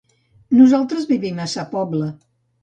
Nosaltres vivim a Sa Pobla.